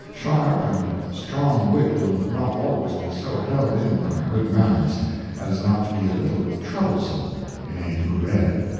Sharp and strong Wit will not always be so held in by Good manners, as not to be a little troublesome in a Ruelle.